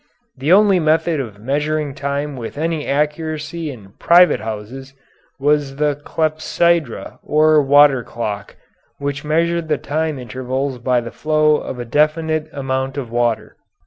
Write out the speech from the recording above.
The only method of measuring time with any accuracy in private houses was the clepsydra or water clock, which measured the time intervals by the flow of a definite amount of water.